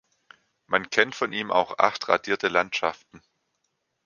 Man kennt von ihm auch acht radierte Landschaften.